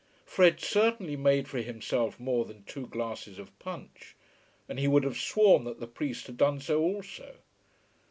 Fred certainly made for himself more than two glasses of punch, and he would have sworn that the priest had done so also.